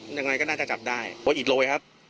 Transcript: ยังไงก็น่าจะจับได้เพราะอิดโรยครับ